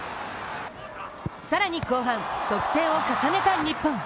更に後半、得点を重ねた日本。